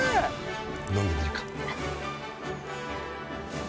飲んでみるか。